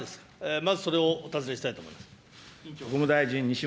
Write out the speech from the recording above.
まずそれをお尋ねしたいと思います。